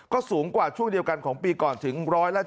ก็สูงกว่าช่วงเดียวกันของปีก่อนถึง๑๗